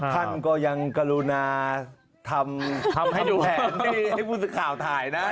คันก็ยังกรุณาทำให้อยู่แผนที่ผู้สึกข่าวถ่ายนะ